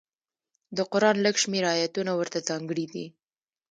د قران لږ شمېر ایتونه ورته ځانګړي دي.